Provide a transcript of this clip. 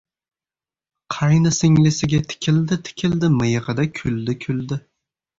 Qaynsinglisiga tikildi-tikildi, miyig‘ida kuldi-kuldi.